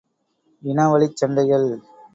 இன வழிச் சண்டைகள்!